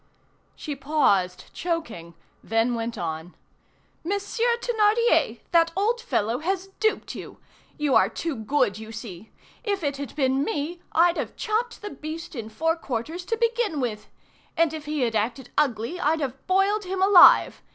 She paused, choking, then went on:— "Monsieur Thénardier! That old fellow has duped you! You are too good, you see! If it had been me, I'd have chopped the beast in four quarters to begin with! And if he had acted ugly, I'd have boiled him alive!